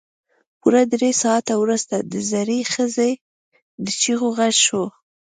پوره درې ساعته وروسته د زړې ښځې د چيغو غږ شو.